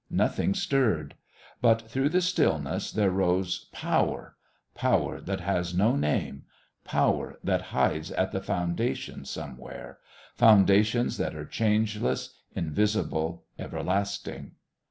Nothing stirred. But through the stillness there rose power, power that has no name, power that hides at the foundations somewhere foundations that are changeless, invisible, everlasting.